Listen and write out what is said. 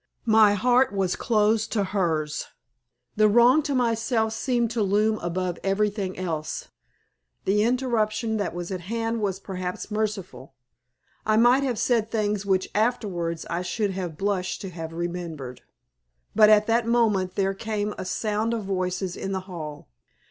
My heart was closed to hers. The wrong to myself seemed to loom above everything else. The interruption that was at hand was perhaps merciful. I might have said things which afterwards I should have blushed to have remembered. But at that moment there came a sound of voices in the hall.